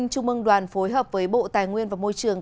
trung mương đoàn phối hợp với bộ tài nguyên và môi trường